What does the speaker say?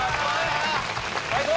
・最高！